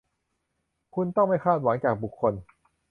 คุณต้องไม่คาดหวังจากบุคคล